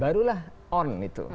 barulah on itu